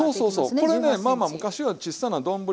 これねまあまあ昔はちっさな丼